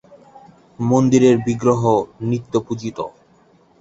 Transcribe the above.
মন্দিরের বিগ্রহ নিত্য পূজিত।